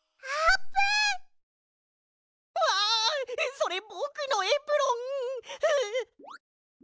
それぼくのエプロン！ふう。